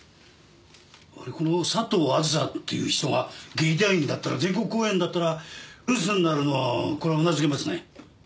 この佐藤あずさっていう人が劇団員だったら全国公演だったら留守になるのはこれは頷けますね。